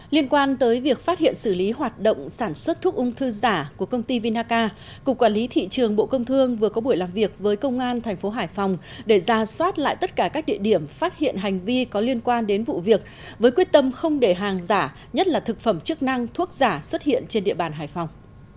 liên quan tới việc phát hiện xử lý hoạt động sản xuất thuốc ung thư giả của công ty vinaca cục quản lý thị trường bộ công thương vừa có buổi làm việc với công an thành phố hải phòng để ra soát lại tất cả các địa điểm phát hiện hành vi có liên quan đến vụ việc với quyết tâm không để hàng giả nhất là thực phẩm chức năng thuốc giả xuất hiện trên địa bàn hải phòng